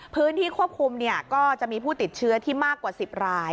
พื้นที่ควบคุมก็จะมีผู้ติดเชื้อที่มากกว่า๑๐ราย